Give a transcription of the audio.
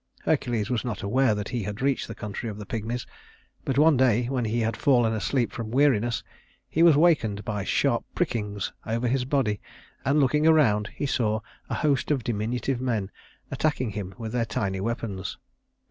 Hercules was not aware that he had reached the country of the Pygmies; but one day, when he had fallen asleep from weariness, he was wakened by sharp prickings over his body; and looking around he saw a host of diminutive men, attacking him with their tiny weapons.